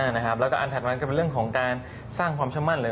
แล้วก็อันถัดมาก็เป็นเรื่องของการสร้างความเชื่อมั่นเลย